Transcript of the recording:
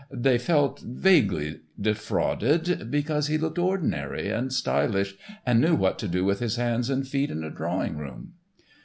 They felt vaguely defrauded because he looked ordinary and stylish and knew what to do with his hands and feet in a drawing room.